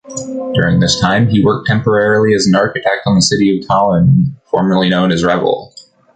During this time he worked temporarily as an architect in city of Tallinn (formerly known as Reval).